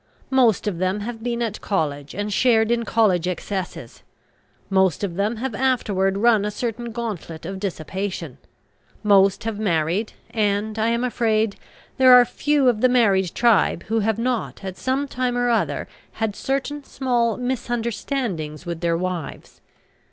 Most of them have been at college, and shared in college excesses; most of them have afterward run a certain gauntlet of dissipation; most have married, and, I am afraid, there are few of the married tribe who have not at some time or other had certain small misunderstandings with their wives.